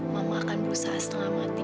mama akan berusaha setelah mati